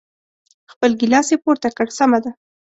خپل ګیلاس یې پورته کړ، سمه ده.